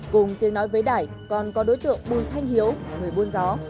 cùng tiếng nói với đại còn có đối tượng bùi thanh hiếu người buôn gió